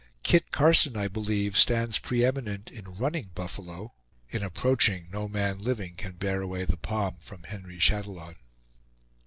Kit Carson, I believe, stands pre eminent in running buffalo; in approaching, no man living can bear away the palm from Henry Chatillon.